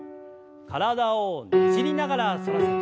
体をねじりながら反らせて。